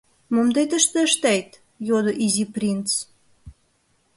— Мом тый тыште ыштет? — йодо Изи принц.